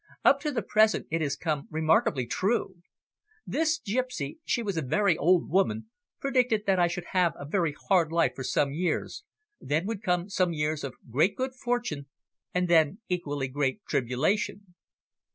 Up to the present, it has come remarkably true. This gipsy, she was a very old woman, predicted that I should have a very hard life for some years, then would come some years of great good fortune, and then equally great tribulation."